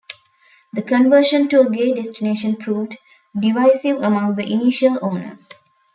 The conversion to a gay destination proved divisive among the initial owners.